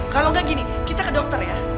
kalau nggak gini kita ke dokter ya